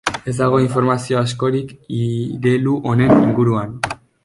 Ez dago informazio askorik irelu honen inguruan.